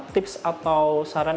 tips atau saran